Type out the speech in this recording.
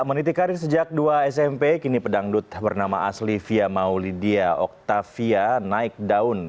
menitik karir sejak dua smp kini pedangdut bernama asli fia maulidia oktavia naik daun